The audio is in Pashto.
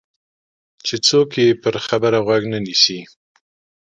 چې څوک یې پر خبره غوږ نه نیسي.